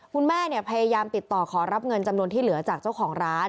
พยายามติดต่อขอรับเงินจำนวนที่เหลือจากเจ้าของร้าน